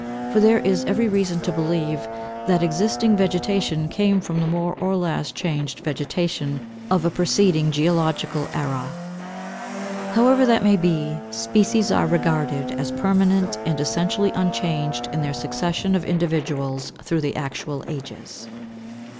For there is every reason to believe that existing vegetation came from the more or less changed vegetation of a preceding geological era. However that may be, species are regarded as permanent and essentially unchanged in their succession of individuals through the actual ages.